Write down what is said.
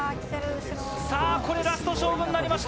さあ、これ、ラスト勝負になりました。